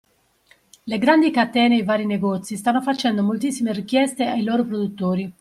Le grandi catene e i vari negozi stanno facendo moltissime richieste ai loro produttori